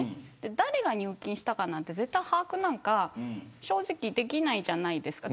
誰が入金したかなんて絶対把握なんか正直、できないじゃないですか。